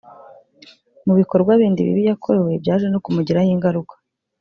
Mu bikorwa bindi bibi yakorewe byaje no kumugiraho ingaruka